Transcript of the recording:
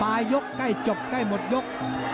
ปลายก์ยกใกล้จบใกล้หมดยก